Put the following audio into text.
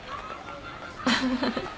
フフフフ。